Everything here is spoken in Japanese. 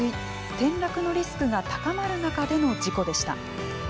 転落のリスクが高まる中での事故でした。